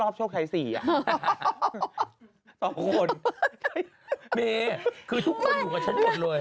เบคือทุกคนอยู่กับฉันหมดเลย